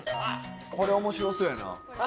これ面白そうやな。